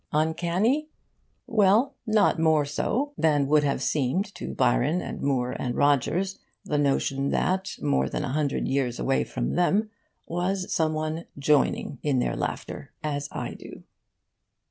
Uncanny? Well, not more so than would have seemed to Byron and Moore and Rogers the notion that more than a hundred years away from them was some one joining in their laughter as I do.